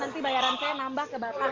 nanti bayaran saya nambah ke batang